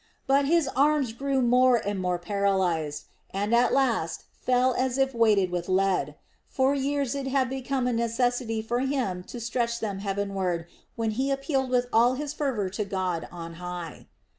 But his arms grew more and more paralysed, and at last fell as if weighted with lead; for years it had become a necessity to him to stretch them heavenward when he appealed with all his fervor to God on high.